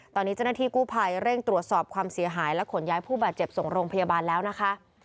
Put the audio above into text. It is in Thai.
ตอนนี้เจ้าหน้าที่กู้ภัยเร่งตรวจสอบความเสียหายและขนย้ายผู้บาดเจ็บส่งโรงพยาบาลแล้วนะคะ